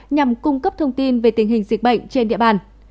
nhằm cung cấp thông tin về tình hình dịch bệnh trên địa bàn